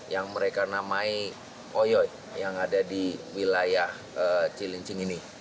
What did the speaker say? yang mereka namai oyot yang ada di wilayah cilincing ini